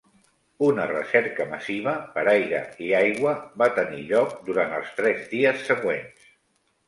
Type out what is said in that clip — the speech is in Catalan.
Una recerca massiva per aire i aigua va tenir lloc durant els tres dies següents.